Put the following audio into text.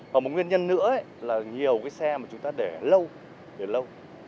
và một nguyên nhân nữa là nhiều cái xe mà chúng ta để lâu để lâu